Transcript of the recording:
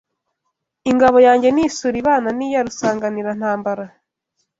Ingabo yanjye ni isuli ibana n'iya Rusanganirantambara